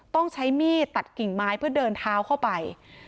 ต้องใช้มีดตัดกิ่งไม้เพื่อเดินเท้าเข้าไป